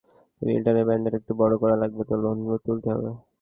ঔই ব্যান্ডের দোকানটাই একটু বড় করা লাগবে, তো লোন তুলতে হবে।